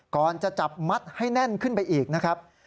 ก่อนจะจับมัดให้แน่นขึ้นไปอีกนะครับ